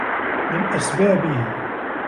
مِنْ أَسْبَابِهِ